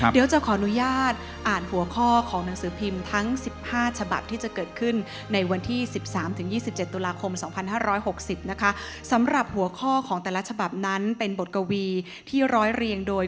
เดี๋ยวจะขออนุญาตอ่านหัวข้อของหนังสือพิมพ์ทั้ง๑๕ฉบับที่จะเกิดขึ้นในวันที่๑๓๒๗ตุลาคม๒๕๖๐นะคะสำหรับหัวข้อของแต่ละฉบับนั้นเป็นบทกวีที่ร้อยเรียงโดย